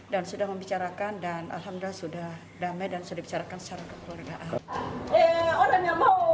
dan sudah membicarakan dan alhamdulillah sudah damai dan sudah dibicarakan secara berkeluargaan